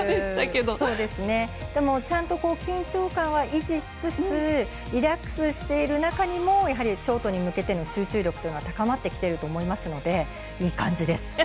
でも、ちゃんと緊張感は維持しつつリラックスしている中にもショートに向けての集中力というのは高まってきていると思いますのでいい感じです！